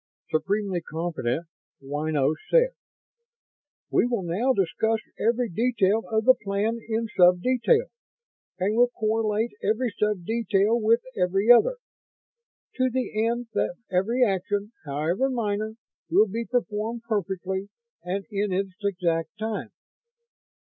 Supremely confident, Ynos said: "We will now discuss every detail of the plan in sub detail, and will correlate every sub detail with every other, to the end that every action, however minor, will be performed perfectly and in its exact time."